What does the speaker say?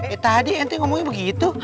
eh tadi ranti ngomongnya begitu